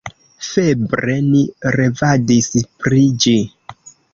Febre ni revadis pri ĝi.